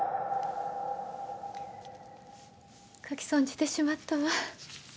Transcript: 書き損じてしまったわ。